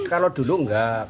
kalau dulu enggak